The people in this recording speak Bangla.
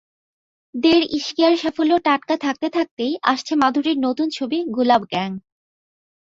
দেড় ইশকিয়ার সাফল্য টাটকা থাকতে থাকতেই আসছে মাধুরীর নতুন ছবি গুলাব গ্যাং।